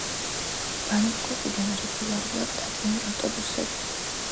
ბანგკოკიდან რეგულარულად დადიან ავტობუსები.